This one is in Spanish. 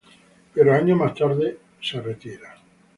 Pero años más tarde es retirado.